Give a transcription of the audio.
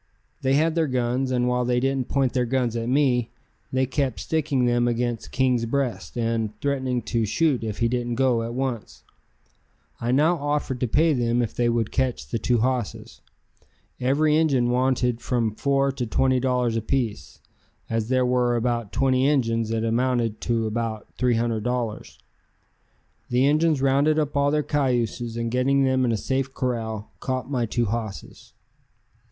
They had their guns, and while they didn't point their guns at me, they kept sticking them against King's breast and threatening to shoot if he didn't go at once. I now offered to pay them if they would catch the two hosses. Every Injun wanted from four to twenty dollars apiece. As there were about twenty Injuns it amounted to about $300. The Injuns rounded up all their cayuses, and getting them in a safe corral, caught my two hosses.